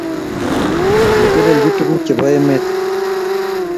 kotelelji tukuk chebo emet